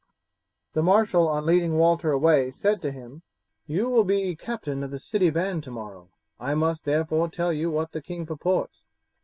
The marshal on leading Walter away said to him, "You will be captain of the city band tomorrow, and I must therefore tell you what the king purports.